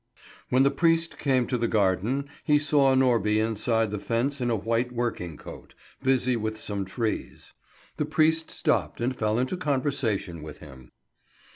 When the priest came to the garden, he saw Norby inside the fence in a white working coat, busy with some trees. The priest stopped and fell into conversation with him.